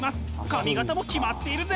髪形もキマっているぜ！